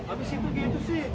habis itu gitu sih